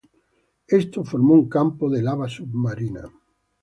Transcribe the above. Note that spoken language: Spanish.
Esto formó un campo de lava submarina.